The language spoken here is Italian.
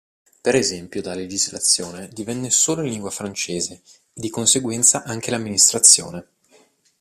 Per esempio la legislazione divenne solo in lingua francese e di conseguenza anche l'amministrazione.